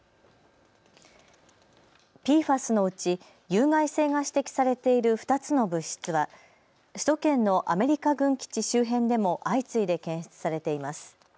ＰＦＡＳのうち有害性が指摘されている２つの物質は首都圏のアメリカ軍基地周辺でも相次いで検出されています。